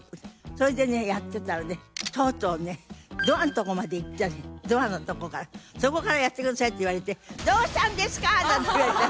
それでねやってたらねとうとうねドアのとこまで行っちゃってドアのとこから「そこからやってください」って言われて「どうしたんですか！！！」なんて。